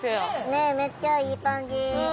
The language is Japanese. ねえめっちゃいい感じ。